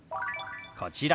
こちら。